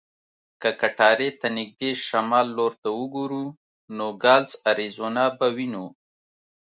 که کټارې ته نږدې شمال لور ته وګورو، نوګالس اریزونا به وینو.